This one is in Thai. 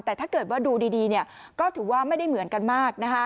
แต่ถ้าเกิดว่าดูดีก็ถือว่าไม่ได้เหมือนกันมาก